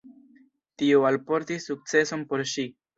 Tio alportis sukceson por ŝi.